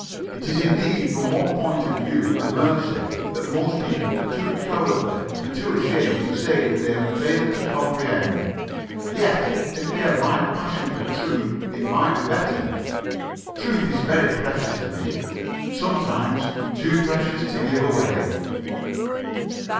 It is indeed from one point of view a mercy that most people are too cowardly or too ashamed to say that they have failed to comprehend. Yet if they had my passion for truth it might be better. Truth is very precious to me sometimes too precious to give away.